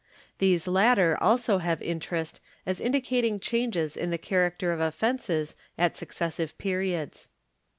These latter also have interest as indi cating changes in the character of offences at successive periods.